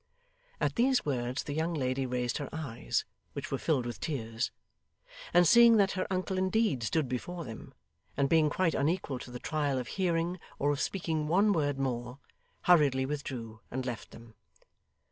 At these words the young lady raised her eyes, which were filled with tears; and seeing that her uncle indeed stood before them, and being quite unequal to the trial of hearing or of speaking one word more, hurriedly withdrew, and left them.